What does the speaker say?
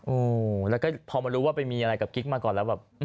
อืมแล้วก็พอมารู้ว่าไปมีอะไรกับกิ๊กมาก่อนแล้วแบบ